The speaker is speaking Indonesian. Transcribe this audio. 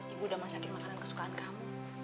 ibu udah masakin makanan kesukaan kamu